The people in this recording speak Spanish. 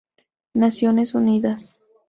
Naciones Unidas